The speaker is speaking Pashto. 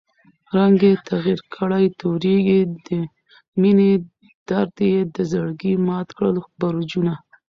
رنګ ئې تغير کړی تورېږي، دمېنی درد ئې دزړګي مات کړل برجونه